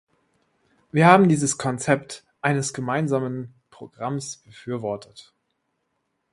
Wir haben dieses Konzept eines gemeinsamen Programms befürwortet.